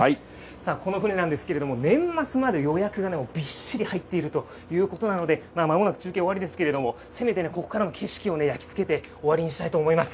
さあ、この船なんですけれども、年末まで予約がびっしり入っているということなので、まもなく中継終わりですけれども、せめてね、ここからの景色を焼き付けて終わりにしたいと思います。